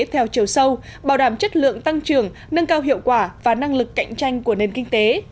theo chiều sâu bảo đảm chất lượng tăng trưởng nâng cao hiệu quả và năng lực cạnh tranh của nền kinh tế